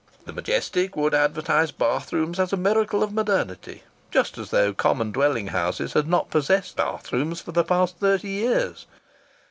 The Majestic would advertise bathrooms as a miracle of modernity, just as though common dwelling houses had not possessed bathrooms for the past thirty years.